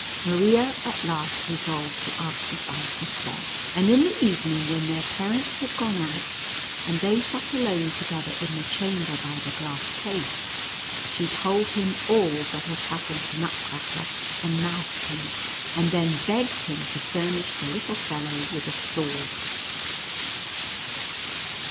Maria at last resolved to ask advice of Fred ; and in the evening, when their parents had gone out, and they sat alone together in the chamber by the glass case, she told him all that had happened to Nutcracker and Mouse Kino:, and then becwd him to furnish the little fellow with a sword.